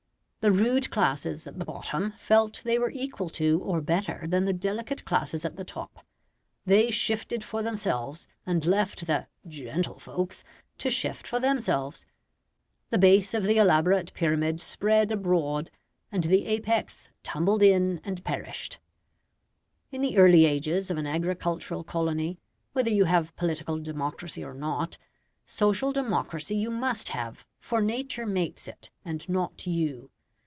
The rude classes at the bottom felt that they were equal to or better than the delicate classes at the top; they shifted for themselves, and left the "gentle folks" to shift for themselves; the base of the elaborate pyramid spread abroad, and the apex tumbled in and perished. In the early ages of an agricultural colony, whether you have political democracy or not, social democracy you must have, for nature makes it, and not you.